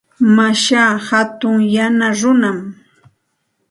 Mashaa hatun yana runam.